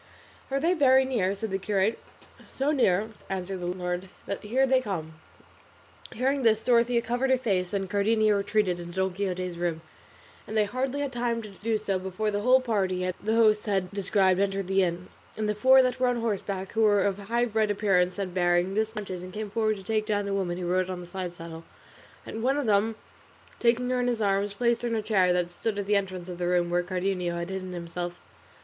"Are they very near?" said the curate. "So near," answered the landlord, "that here they come." Hearing this Dorothea covered her face, and Cardenio retreated into Don Quixote's room, and they hardly had time to do so before the whole party the host had described entered the inn, and the four that were on horseback, who were of highbred appearance and bearing, dismounted, and came forward to take down the woman who rode on the side saddle, and one of them taking her in his arms placed her in a chair that stood at the entrance of the room where Cardenio had hidden himself.